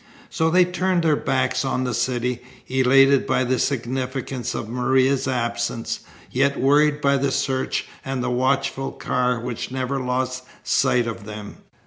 So they turned their backs on the city, elated by the significance of Maria's absence, yet worried by the search and the watchful car which never lost sight of them.